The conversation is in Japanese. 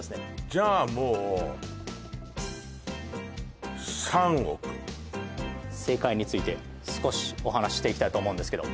じゃあもう正解について少しお話ししていきたいと思うんですけど